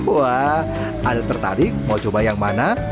wah ada tertarik mau coba yang mana